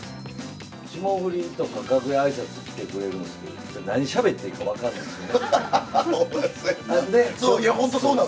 霜降りとか、楽屋あいさつ来てくれるんですけど、何しゃべっていいか分からないんですよね。